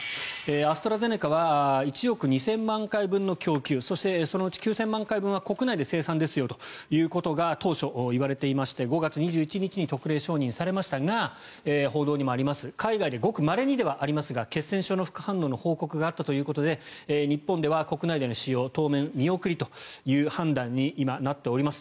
アストラゼネカは１億２０００万回分の供給そしてそのうち９０００万回分は国内で生産ですということが当初、いわれていまして５月２１日に特例承認されましたが報道にもありますが海外でごくまれにではありますが血栓症の副反応の報告があったということで日本では国内での使用、当面見送りという判断に今なっております。